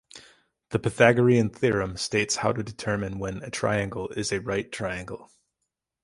The Pythagorean theorem states how to determine when a triangle is a right triangle.